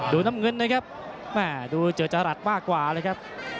ดูน้ำเงินเลยครับดูเจรจรัสมากกว่าเลยครับ